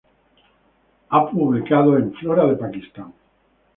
Ha publicado en Flora de Pakistán.